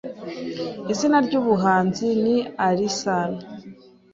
Izina ry'ubuhanzi ni Alyn Sano